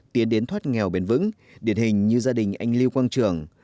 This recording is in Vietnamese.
tiến đến thoát nghèo bền vững điển hình như gia đình anh lưu quang trường